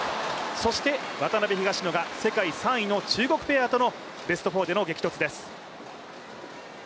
そして渡辺・東野が世界３位の中国ペアとのベスト４との激突です。